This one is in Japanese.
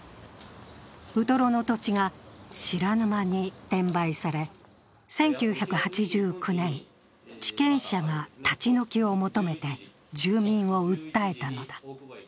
ウトロの土地が知らぬ間に転売され、１９８９年、地権者が立ち退きを求めて住民を訴えたのだ。